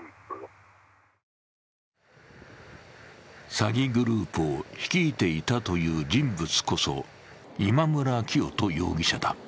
詐欺グループを率いていたという人物こそ今村磨人容疑者だ。